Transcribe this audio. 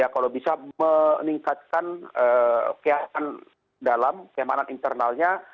kalau bisa meningkatkan keamanan internalnya